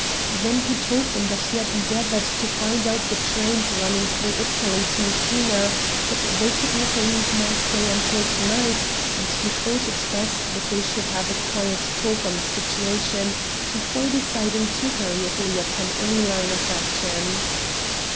Then he told them that he had endeavoured to find out the trains running through Italy to Messina, but they could not leave Marseilles until to night, and he thought it best that they should have a quiet talk on the situation before deciding too hurriedly upon any line of action.